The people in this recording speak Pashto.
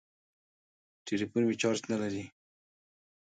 ټليفون مې چارچ نه لري.